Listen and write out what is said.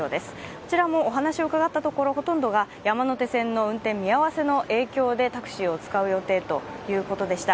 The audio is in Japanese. こちらもお話を伺ったところ、ほとんどが山手線運転見合わせの影響でタクシーを使う予定ということでした。